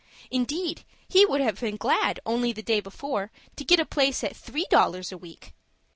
Indeed he would have been glad, only the day before, to get a place at three dollars a week.